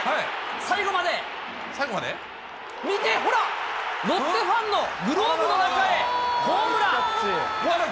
最後まで、見てほら、ロッテファンのグローブの中へ、ホームラン。